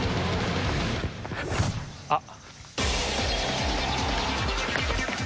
あっ。